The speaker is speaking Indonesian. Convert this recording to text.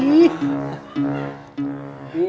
iya pak lupa